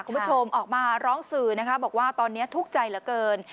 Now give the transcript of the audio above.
คุณผู้ชมออกมาร้องสื่อนะคะบอกว่าตอนนี้ทุกข์ใจเหลือเกิน